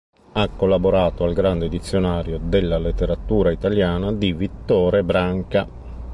Ha collaborato al "Grande dizionario della letteratura italiana" di Vittore Branca.